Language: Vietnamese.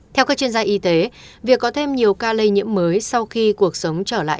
theo các chuyên gia y tế việc có thêm nhiều ca lây nhiễm mới sau khi cuộc sống trở lại